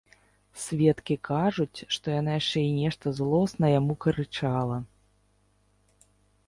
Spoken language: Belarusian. Сведкі кажуць, што яна яшчэ і нешта злосна яму крычала.